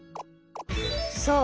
そう。